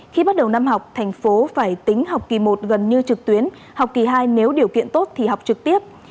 khi bắt đầu năm học thành phố phải tính học kỳ một gần như trực tuyến học kỳ hai nếu điều kiện tốt thì học trực tiếp